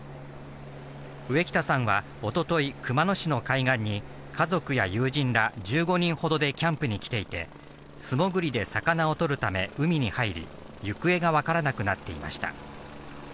ウエキタさんはおととい、熊野市の海岸に家族や友人ら１５人ほどでキャンプに来ていて、素潜りで魚を捕るため、海に入り、行方がわからなくなっていました。